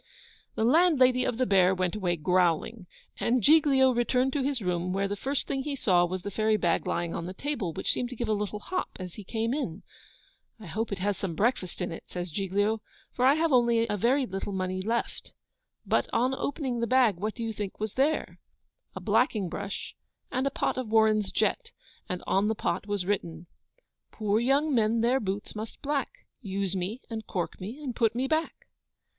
The landlady of the Bear went away GROWLING. And Giglio returned to his room, where the first thing he saw was the fairy bag lying on the table, which seemed to give a little hop as he came in. 'I hope it has some breakfast in it,' says Giglio, 'for I have only a very little money left.' But on opening the bag, what do you think was there? A blacking brush and a pot of Warren's jet, and on the pot was written: Poor young men their boots must black: Use me and cork me and put me back.